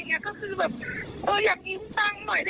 แล้วถามว่าเป็นอะไรก็คือแบบว่ากู้เงินมาก็คือตามในแชทเลยอะค่ะ